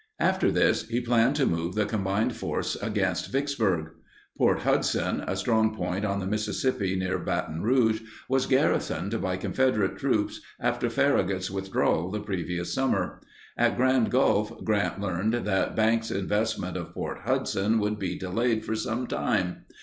After this he planned to move the combined force against Vicksburg. Port Hudson, a strong point on the Mississippi near Baton Rouge, was garrisoned by Confederate troops after Farragut's withdrawal the previous summer. At Grand Gulf, Grant learned that Bank's investment of Port Hudson would be delayed for some time.